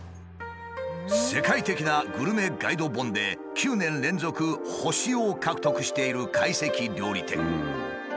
世界的なグルメガイド本で９年連続星を獲得している懐石料理店。